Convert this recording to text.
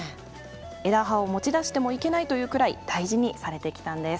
枝葉を持ち出してもいけないというくらい大事にされてきたんです。